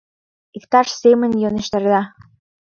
— иктаж семын йӧнештарена...